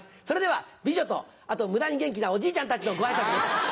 それでは美女とあと無駄に元気なおじいちゃんたちのご挨拶です。